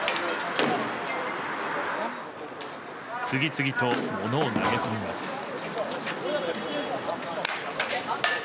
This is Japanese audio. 次々と物を投げ込みます。